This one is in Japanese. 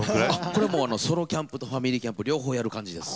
これもうソロキャンプとファミリーキャンプ両方やる感じです。